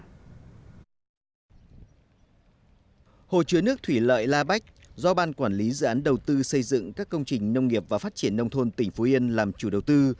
hồ chứa nước thủy lợi la bách do ban quản lý dự án đầu tư xây dựng các công trình nông nghiệp và phát triển nông thôn tỉnh phú yên làm chủ đầu tư